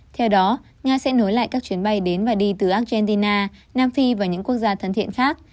theo đó nga sẽ nối lại các chuyến bay đến và đi từ argentina nam phi và những quốc gia thân thiện khác